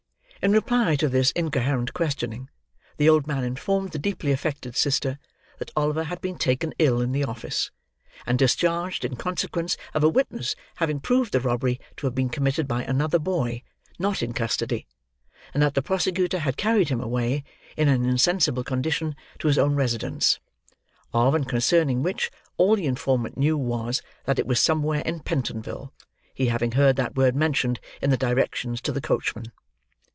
In reply to this incoherent questioning, the old man informed the deeply affected sister that Oliver had been taken ill in the office, and discharged in consequence of a witness having proved the robbery to have been committed by another boy, not in custody; and that the prosecutor had carried him away, in an insensible condition, to his own residence: of and concerning which, all the informant knew was, that it was somewhere in Pentonville, he having heard that word mentioned in the directions to the coachman.